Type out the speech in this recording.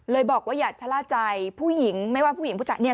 บอกว่าอย่าชะล่าใจผู้หญิงไม่ว่าผู้หญิงผู้ชายเนี่ย